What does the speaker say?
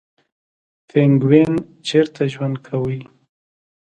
پینګوین چیرته ژوند کوي؟